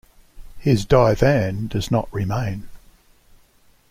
His "Divan" does not remain.